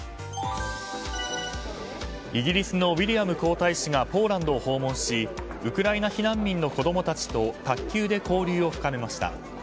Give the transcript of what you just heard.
イギリスのウィリアム皇太子がポーランドを訪問しウクライナ避難民の子供たちと卓球で交流を深めました。